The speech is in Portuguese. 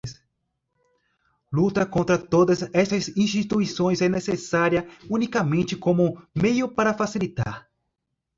luta contra todas estas instituições é necessária unicamente como meio para facilitar